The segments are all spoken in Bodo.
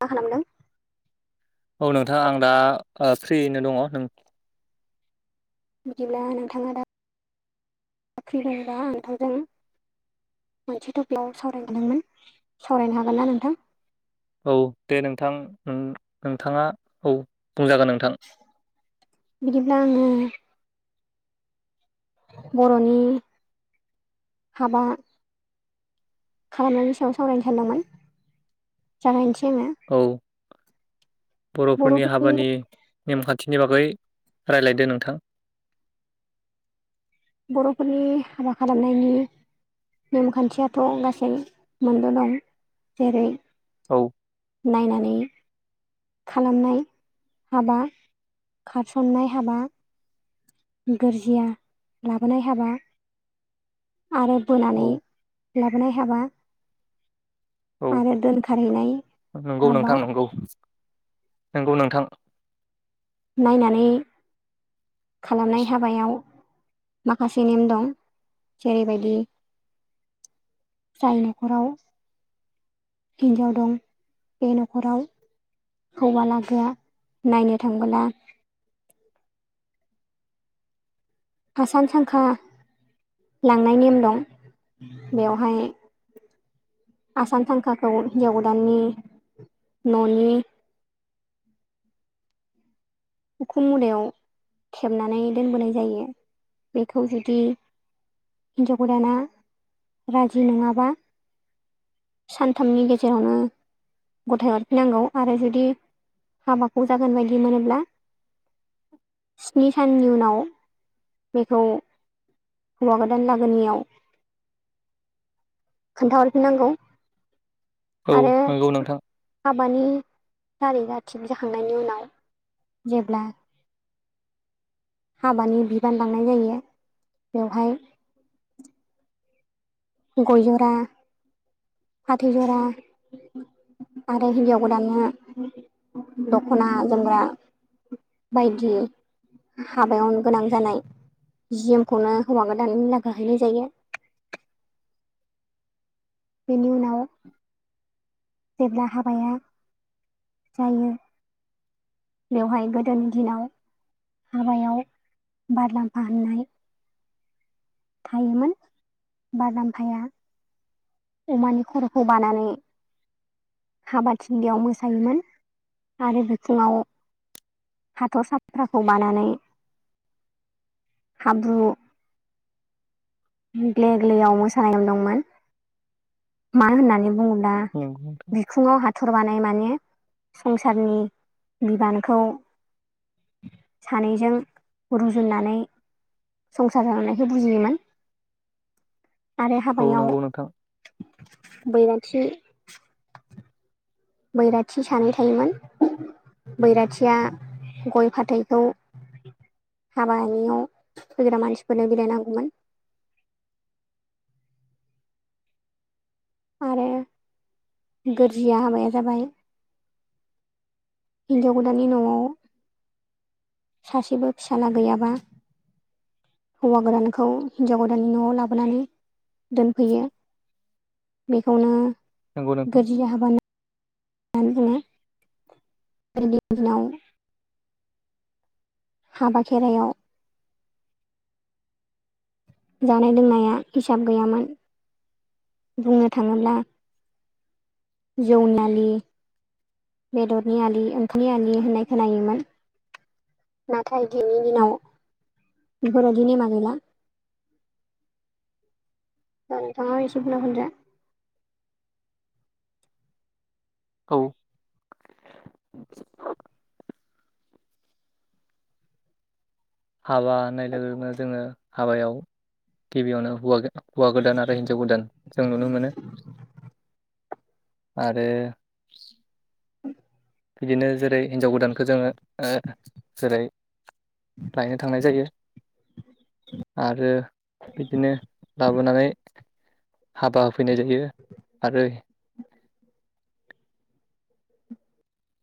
मा खालामदों? औ नोंथां आं दा फ्रियैनो दङ नों बिदिब्ला नोंथांङा दा फ्रि दङबा आं नोंथांजों मोनसे टपिकआव सावरायनो सानदोंमोन सावरायनो हागोनना नोंथां औ दे नोंथां नोंथांङा औ बुंजागोन नोंथां बिदिब्ला आङो बर'नि हाबा खालामनायनि सायाव सावरायनो सानदोंमोन जागायनोसै आङो औ बर'फोरनि हाबानि नेमखान्थिनि बागै रायलायदो नोंथां बर'फोरनि हाबा खालामनायनि नेमखान्थियाथ' गासै मोनद दं जेरै औ नायनानै खालामनाय हाबा खारसननाय हाबा गोरजिया लाबोनाय हाबा आरो बोनानै औ लाबोनाय हाबा औ आरो दोनखारहैनाय नंगौ हाबा नोंथां नंगौ नंगौ नोंथां नायनानै खालामनाय हाबायाव माखासे नेम दं जेरैबायदि जाय न'खराव हिनजाव दं बे न'खराव हौवा लागोआ नायनो थांबोला आसान सांखा लांनाय नेम दं बेवहाय आसान सांखाखौ हिन्जाव गोदाननि न'नि [inaudible] उखुम मुदायाव थेबनानै दोनबोनाय जायो बेखौ जुदि हिजाव गोदाना राजि नङाबा सानथामनि गेजेरावनो गथाय हरफिननांगौ आरो जुदि हाबाखौ जागोन बायदि मोनोब्ला [inaudible] स्नि साननि उनाव बेखौ हौवा गोदान लागोनिआव खोन्था हरफिन नांगौ। औ आरो नंगौ नोंथां हाबानि थारिगा थिग जाखांनायनि उनाव जेब्ला हाबानि बिबान लांनाय जायो बेवहाय गय जरा फाथै जरा आरो हिन्जाव गोदाननो दख'ना जोमग्रा बायदि हाबायावनो गोनां जानाय जि जोमखौनो हौवा गोदान लागोआ हैनाय जायो। बेनि उनाव जेब्ला हाबाया जायो बेवहाय गोदोनि दिनाव हाबायाव बारलाम्फा होननाय थायोमोन। बारलामफाया अमानि खर'खौ बानानै हाबाथिलायाव मोसायोमोन आरो बिथिङाव हाथर' साफ्राखौ बानानै हाब्रु ग्ले ग्लेयाव मोसानाय दंमोन। मानो होननानै बुङोब्ला नंगौ बिखुङाव हाथर बानाय माने संसारनि बिबानखौ सानैजों रुजुननानै संसार जानायखो बुजियोमोन। आरो औ हाबायाव नंगौ नोंथां बैराथि बैराथि सानै थायोमोन। बैराथिया गय फाथैखौ हाबानियाव फैग्रा मानसिफोरनो बिलायनांगौमोन। [inaudible] आरो गोरजिया हाबाया जाबाय हिनजाव गोदाननि न'वाव सासेबो फिसाला गैयाबा हौवा गोदानखौ हिनजाव गोदाननि न'वाव लाबोनानै दोनफैयो बेखौनो नंगौ नोंथां गोरजिया हाबा होना नानै बुङो। [unintelligible] दिनाव हाबा खेरायाव जानाय लोंनाया हिसाब गैयामोन। बुंनो थाङोब्ला जौनालि बेदरनि आलि ओंखामनि आलि होननाय खोनायोमोन। नाथाय दिनैनि दिनाव बिफोरबायदि नेमा गैला। दा नोंथाङा एसे बुंना होनजा औ हाबा होननाय लोगो लोगोनो जोङो हाबायाव गिबियावनो हौवा हौवा गोदान आरो हिनजाव गोदान जों नुनो मोनो आरो बिदिनो जेरै हिनजाव गोदानखो जोङो ओ जेरै लायनो थांनाय जायो। आरो बिदिनो लाबोनानै हाबा होफैनाय जायो आरो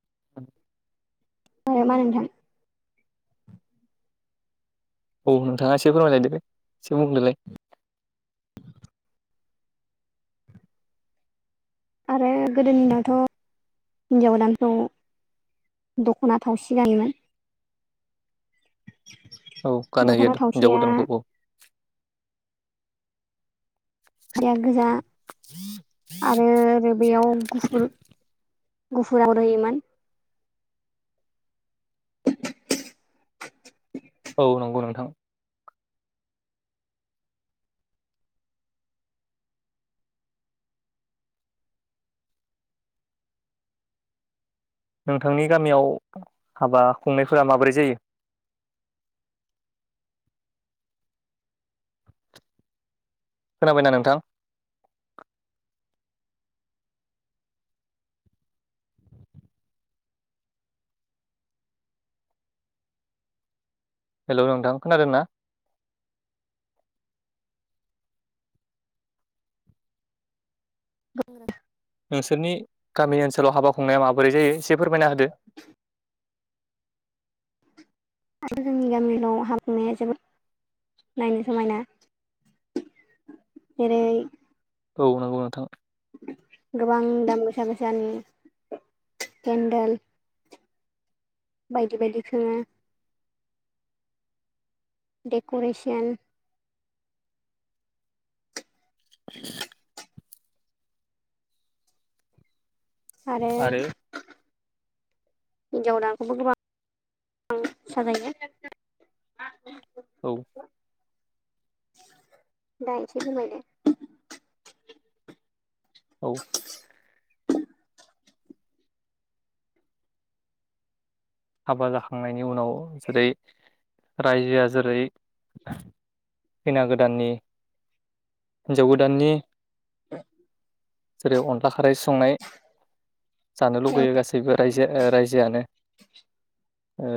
[inaudible] [unintelligible] नामा नोंथां औ नोंथाङा एसे फोरमाय लायदोलाय एसे बुंदोलाय। आरो गोदोनियाथ' हिनजाव गोदानखौ दख'ना थावसि गानोमोन [inaudible] औ गानहोयो दख'ना हिनजाव थावसिया गोदानखौ औ बिराद गोजा आरो बेयाव गुफुर गुफुर आगर होयोमोन [inaudible] औ नंगौ नोंथां नोंथांनि गामियाव हाबा खुंनायफोरा माबोरै जायो? [inaudible] खोनाबायना नोंथां हेलौ नोंथां खोनादों ना? [unintelligible] नोंसोरनि गामि ओनसोलाव हाबा खुंनाया माबोरै जायो एसे फोरमायना होदो आरो जोंनि गामियाव हाबा खुंनाया जोबोद नायनो समायना जेरै औ नंगौ नोंथां गोबां दाम गोसा गोसानि पेन्देल बायदि बायदि खोङो डेक'रेसन [inaudible] आरो हिनजाव गोदानखौबो गोबां साजायो औ दा एसे सोलायबाय औ हाबा जाखांनायनि उनाव जेरै रायजोआ जेरै खैना गोदाननि हिनजाव गोदाननि [inaudible] जेरै अनला खारै संनाय जानो लुगैयो गासैबो रायजो राय जियानो ओ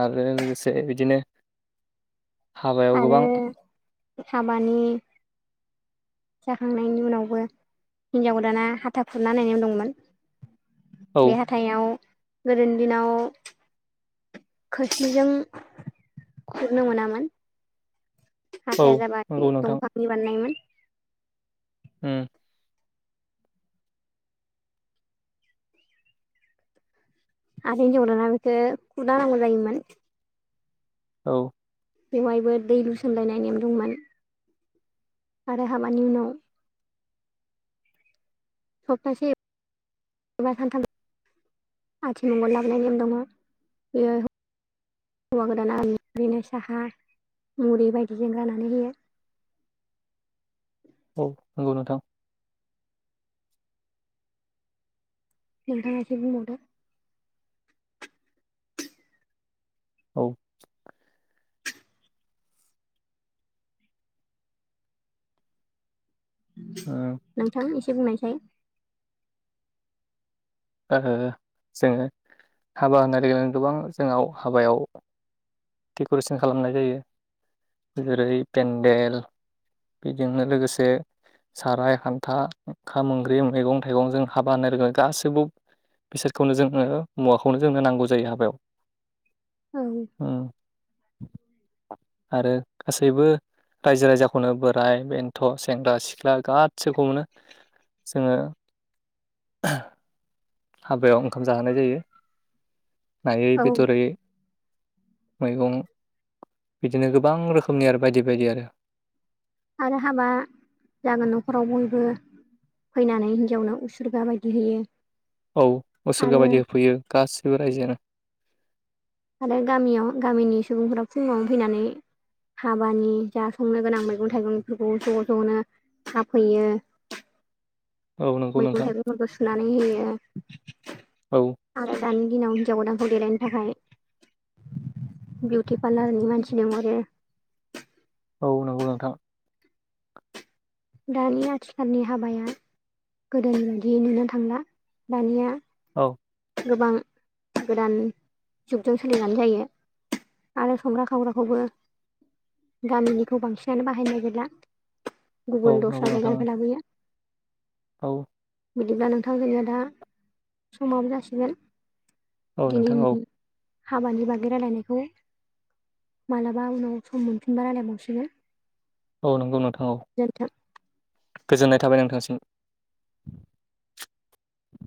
आरो लोगोसे बिदिनो हाबायाव आरो गोबां हाबानि जाखांनायनि उनावबो हिनजाव गोदाना हाथा खुरना सोनार नेम दंमोन औ बे हाथायाव गोदोनि दिनाव खोस्लिजों खुरनो मोनामोन औ हाथाया जाबाय नंगौ नोंथां दंफांनि बानायनायमोन ओम आरो हिन्जावदाना बेखौ खुदा नांगौ जायोमोन। औ बेवहायबो दै लुसनलायनाय नेम दंमोन आरो हाबानि उनाव सप्तासे एबा सानथाम आथिमंगल लांनाय नेम दङो बेयो हौवा गोदाना ओरैनो साहा मुरि बायदिजों राननानै होयो ओ नंगौ नोंथां नोंथाङा इसे बुंबावदो औ उम नोंथां एसे बुंनायसाय जोंङो हाबा होननाय लोगो गोबां जोंनाव हाबायाव डेक'रेसन खालामनाय जायो जेरै पेन्देल बेजोंनो लोगोसे साराय हान्था ओंखाम ओंख्रि मैगं थाइगं जों हाबा होनानो रोङो गाससिबो बेसादखौनो जोङो मुवाखौनो जोंनो नांगौ जायो हाबायाव औ उम आरो गासैबो रायजो राजाखौनो बोराय बेन्थ' सेंग्रा सिख्ला गासैखौ मोनो। जोंङो हाबायाव ओंखाम जाहोनाय जायो नायै औ बेदरै। मैगं बिदिनो गोबां रोखोमनि आरो बायदि बायदि आरो। आरो हाबा जागोन न'खराव बयबो फैनानै हिन्जावनो उसुरगा बायदि होयो। औ आरो उसोरगाबायि होफैयो गासिबो रायजोआनो आरो गामियाव गामिनि सुबुंफोरा फुंङाव फैनानै हाबानि जा संनो गोनां मैगं थाइगंफोरखौ ज' ज'नो थाफैयो। [inaudible] नंगौ मैगं नोंथां थाइगंफोरखौ सुनानै होयो औ आरो दानि दिनाव हिन्जाव गोदानखौ देलायनो थाखाय बिउटि पार्लारनि मानसि लिंहरो। औ नंगौ नोंथां। दानि आथिखालनि हाबाया गोदोनि बायदिय नुनो थांला दानिया औ गोबां गोदान जुगजों सोलिनानै जायो। आरो संग्रा खावग्राखौबो गामिनिखौ बांसिनानो बाहायनाय गैला औ गुबुन नंगौ दस्रा नोंथां जायगानिफ्राय लाबोयो। औ बिदिब्ला नोंथां जोंनिया दा समाबो जासिगोन। औ नोंथां औ दिनैनि हाबानि बागै रायलायनायखौ मालाबा उनाव सम मोनफिनबा रायलायबावसिगोन। औ नंगौ नोंथां औ गोजोनथों। गोजोननाय थाबाय नोंथांसिम।